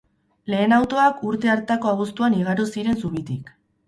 Lehen autoak urte hartako abuztuan igaro ziren zubitik.